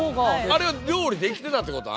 あれは料理できてたってこと？